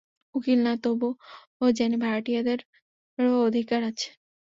উকিল না তবুও জানি, ভাড়াটিয়াদেরও অধিকার আছে।